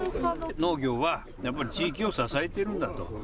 農業は、やっぱり地域を支えてるんだと。